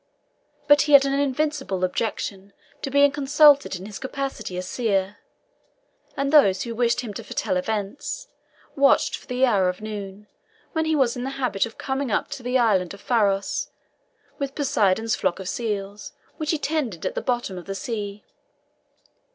But he had an invincible objection to being consulted in his capacity as seer, and those who wished him to foretell events, watched for the hour of noon, when he was in the habit of coming up to the island of Pharos, with Poseidon's flock of seals, which he tended at the bottom of the sea.